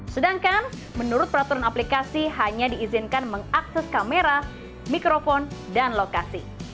sedangkan menurut peraturan aplikasi hanya diizinkan mengakses kamera mikrofon dan lokasi